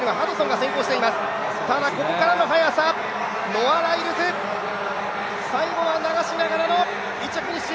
ノア・ライルズ、最後は流しながらの１着フィニッシュ。